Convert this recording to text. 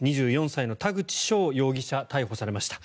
２４歳の田口翔容疑者逮捕されました。